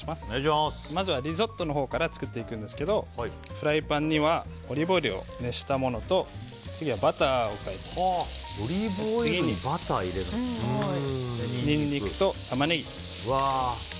まずはリゾットのほうから作っていくんですけどフライパンにはオリーブオイルを熱したものとオリーブオイルにニンニクとタマネギ。